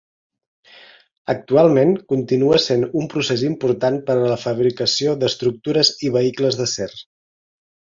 Actualment, continua sent un procés important per a la fabricació d'estructures i vehicles d'acer.